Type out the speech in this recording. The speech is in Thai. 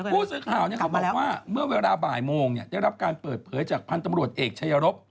ผู้สื่อข่าวเขาบอกว่าเมื่อเวลาบ่ายโมงได้รับการเปิดเผยจากพันธ์ตำรวจเอกชายรบ